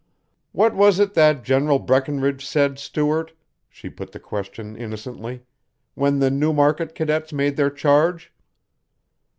"What was it that General Breckinridge said, Stuart?" She put the question innocently. "When the Newmarket cadets made their charge?"